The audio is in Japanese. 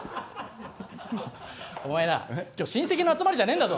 お前な今日親戚の集まりじゃねえんだぞ！